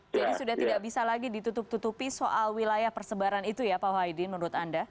jadi sudah tidak bisa lagi ditutup tutupi soal wilayah persebaran itu ya pak wahidin menurut anda